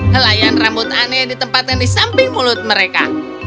helayan rambut aneh di tempat yang di samping mulut mereka